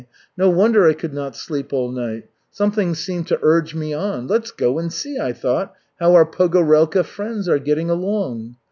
No wonder I could not sleep all night. Something seemed to urge me on. 'Let's go and see,' I thought, 'how our Pogorelka friends are getting along.'